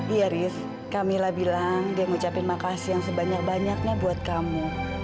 iya riz camilla bilang dia ngucapin makasih yang sebanyak banyaknya buat kamu